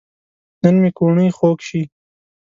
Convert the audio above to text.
نن مې کوڼۍ خوږ شي